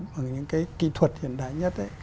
bằng những cái kỹ thuật hiện đại nhất